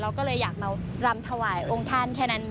ก็เลยอยากมารำถวายองค์ท่านแค่นั้น